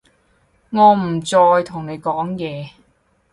我唔再同你講嘢